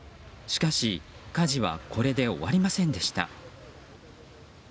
しかし、火事はこれで終わりませんでした。